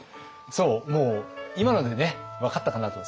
そうもう今のでね分かったかなと思います。